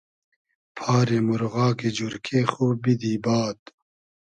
پاری مورغاگی جورکې خو بیدی باد